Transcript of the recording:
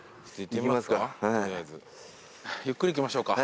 ゆっくり行きましょうか。